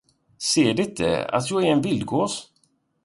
Ser de inte, att jag är en vildgås?